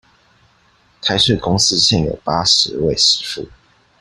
台水公司現有八十位師傅